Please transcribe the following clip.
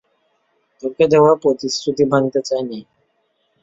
তোকে দেওয়া প্রতিশ্রুতি ভাঙতে চাইনি।